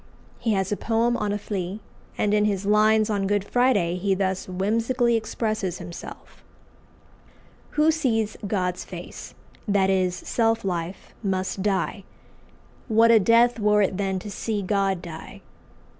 He has a poem on a flea; and in his lines on Good Friday he thus whimsically expresses himself: "Who sees God's face that is, self life must die: What a death were it then to see God die!